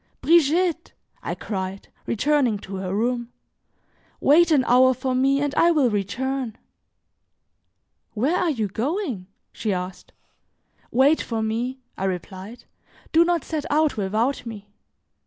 "Brigitte!" I cried, returning to her room, "wait an hour for me and I will return." "Where are you going?" she asked. "Wait for me," I replied, "do not set out without me.